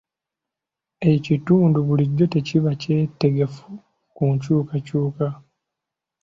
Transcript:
Ekitundu bulijjo tekiba kyetegefu ku nkyukakyuka.